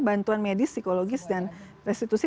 bantuan medis psikologis dan restitusi